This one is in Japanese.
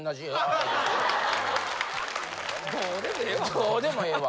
どうでもええわ！